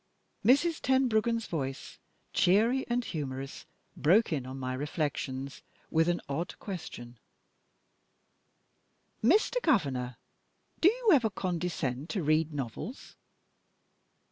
Mrs. Tenbruggen's voice, cheery and humorous, broke in on my reflections, with an odd question: "Mr. Governor, do you ever condescend to read novels?"